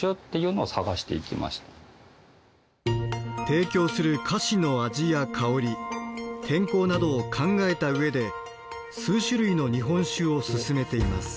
提供する菓子の味や香り天候などを考えた上で数種類の日本酒をすすめています。